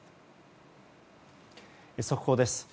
速報です。